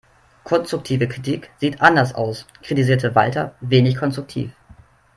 "Konstruktive Kritik sieht anders aus", kritisierte Walter wenig konstruktiv.